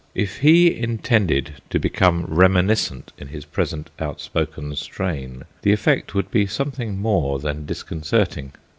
If he intended to become reminiscent in his present outspoken strain the effect would be something more than disconcerting.